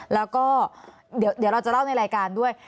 แล้วก็เดี๋ยวเราจะเล่าในรายการด้วย